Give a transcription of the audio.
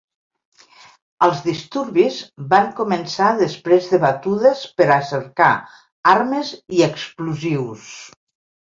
Els disturbis van començar després de batudes per a cercar armes i explosius.